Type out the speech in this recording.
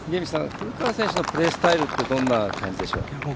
古川選手のプレースタイルってどんな感じでしょう？